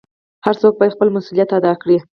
هر څوک بايد خپل مسؤليت ادا کړي .